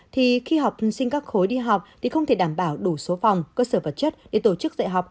thì khi học sinh các khối đi học thì không thể đảm bảo đủ số phòng cơ sở vật chất để tổ chức dạy học